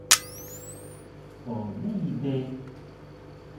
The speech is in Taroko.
So nii de